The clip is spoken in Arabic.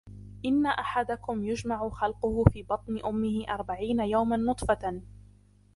إِنَّ أَحَدَكُمْ يُجْمَعُ خَلْقُهُ فِي بَطْنِ أُمِّهِ أَرْبَعِينَ يَوْمًا نُطْفَةً،